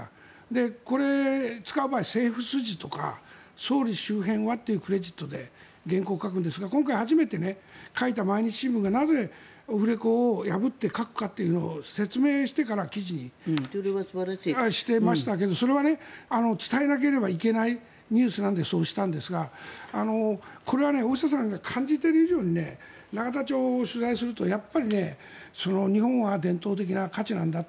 これ、使う場合は政府筋とか総理周辺はというクレジットで原稿を書くんですが今回初めて記事を書いた毎日新聞がなぜオフレコを破って書くかというのを説明してから記事にしてましたけどそれは伝えなければいけないニュースなのでそうしたんですが、これは大下さんが感じている以上に永田町を取材するとやっぱり日本は伝統的な価値なんだと。